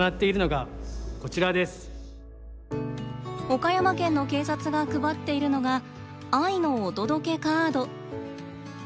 岡山県の警察が配っているのが「愛のお届けカード」。